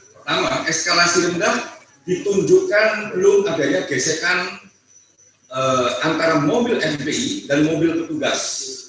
pertama eskalasi rendah ditunjukkan belum adanya gesekan antara mobil fpi dan mobil petugas